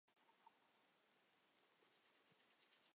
东汉初年复名衙县。